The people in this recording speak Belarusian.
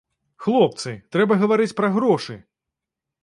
Хлопцы, трэба гаварыць пра грошы!